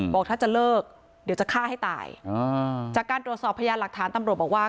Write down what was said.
บอกถ้าจะเลิกเดี๋ยวจะฆ่าให้ตายจากการตรวจสอบพยานหลักฐานตำรวจบอกว่า